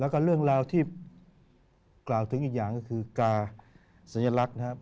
แล้วก็เรื่องราวที่กล่าวถึงอีกอย่างก็คือกาสัญลักษณ์นะครับ